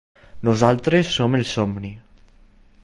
Nosaltres som el somni.